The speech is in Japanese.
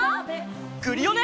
クリオネ！